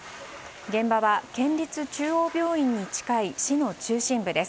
現場は県立中央病院に近い市の中心部です。